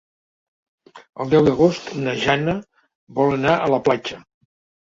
El deu d'agost na Jana vol anar a la platja.